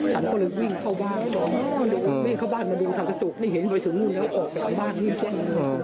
ฉันก็เลยวิ่งเข้าบ้านวิ่งเข้าบ้านมาดูทางตะจกได้เห็นไปถึงนู่นแล้วออกไปข้างบ้านวิ่งแจ้ง